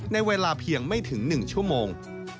ในเวลาเพียงไม่ถึง๑ชั่วโมง